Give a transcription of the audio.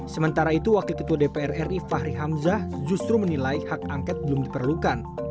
sementara itu wakil ketua dpr ri fahri hamzah justru menilai hak angket belum diperlukan